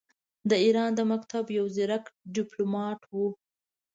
د ایران د مکتب یو ځیرک ډیپلوماټ وو.